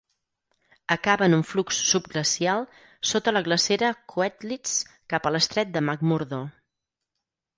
Acaba en un flux subglacial sota la glacera Koettlitz cap a l'estret de McMurdo.